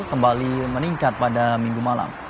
kembali meningkat pada minggu malam